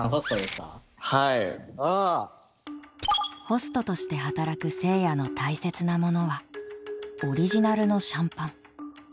ホストとして働くせいやの大切なものはオリジナルのシャンパン。